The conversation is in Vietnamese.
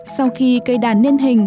sau khi cây đàn nên hình